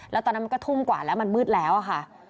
แล้วตอนนั้นมันก็ทุ่มกว่าแล้วมันมืดแล้วค่ะ